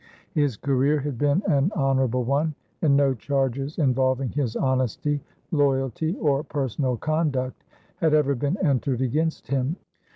His career had been an honorable one, and no charges involving his honesty, loyalty, or personal conduct had ever been entered against him.